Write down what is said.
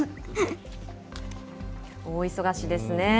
大忙しですね。